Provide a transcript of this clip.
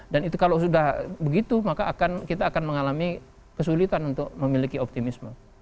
dan itu kalau sudah begitu maka kita akan mengalami kesulitan untuk memiliki optimisme